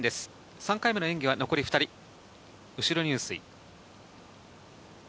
３回目の演技は残り２人、後ろ入水。